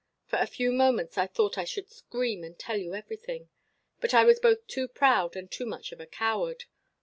For a few moments I thought I should scream and tell you everything. But I was both too proud and too much of a coward.